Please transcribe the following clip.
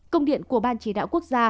công điện của ban chỉ đạo quốc gia